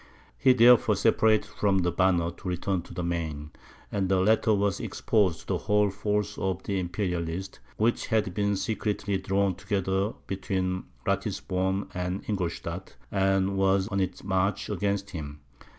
He therefore separated from Banner to return to the Maine; and the latter was exposed to the whole force of the Imperialists, which had been secretly drawn together between Ratisbon and Ingoldstadt, and was on its march against him.